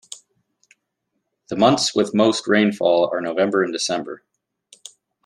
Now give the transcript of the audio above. The months with most rainfall are November and December.